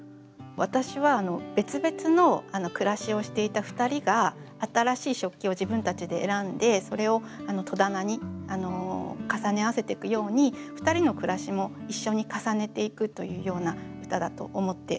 私は別々の暮らしをしていた２人が新しい食器を自分たちで選んでそれを戸棚に重ね合わせてくように２人の暮らしも一緒に重ねていくというような歌だと思って読みました。